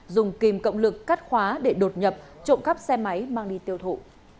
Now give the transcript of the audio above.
dùng kìm cộng lực cắt khóa để đột nhập trộm cắp xe máy mang đi tiêu thụ